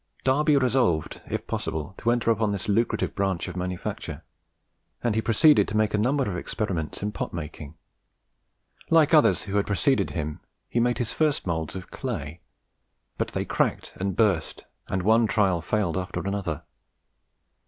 Darby resolved, if possible, to enter upon this lucrative branch of manufacture; and he proceeded to make a number of experiments in pot making. Like others who had preceded him, he made his first moulds of clay; but they cracked and burst, and one trial failed after another.